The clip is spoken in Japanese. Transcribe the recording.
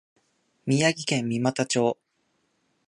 宮崎県三股町